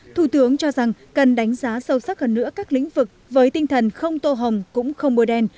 thủ tướng cho rằng cần đánh giá sâu sắc hơn nữa các lĩnh vực với tinh thần không tô hồng cũng không mùa đen